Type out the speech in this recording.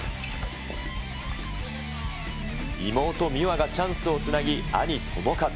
妹、美和がチャンスをつなぎ、兄、智和。